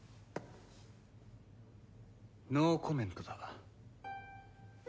ノーコメントだ。